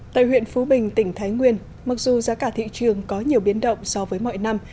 tại huyện phú bình tỉnh thái nguyên mặc dù giá cả thị trường có nhiều biến động so với mọi năm